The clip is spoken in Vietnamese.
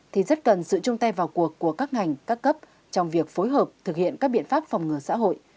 thì rất cần sự chung tay vào cuộc của các ngành các cấp trong việc phối hợp thực hiện các biện pháp phòng ngừa xã hội